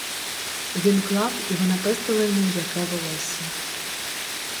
Він клав, і вона пестила йому м'яке волосся.